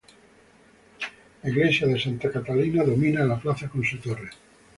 La Iglesia de Santa Catalina domina la plaza con su torre.